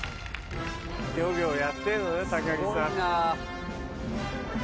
漁業やってるのね高木さん。